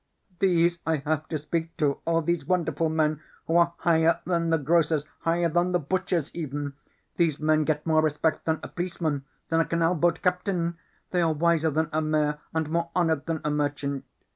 "These I have to speak to, all these wonderful men who are higher than the grocers, higher than the butchers even. These men get more respect than a policeman, than a canal boat captain. They are wiser than a mayor and more honored than a merchant.